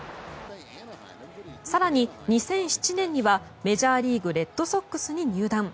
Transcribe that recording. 更に、２００７年にはメジャーリーグレッドソックスに入団。